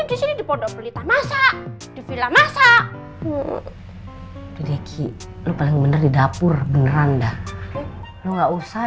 di sini dipondok belita masa di villa masa deki lu paling bener di dapur beneran dah lu nggak usah